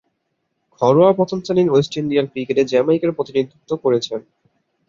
ঘরোয়া প্রথম-শ্রেণীর West Indian ক্রিকেটে জ্যামাইকার প্রতিনিধিত্ব করেছেন।